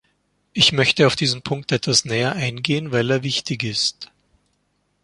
Ich möchte auf diesen Punkt etwas näher eingehen, weil er wichtig ist.